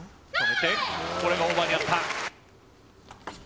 これがオーバーになった。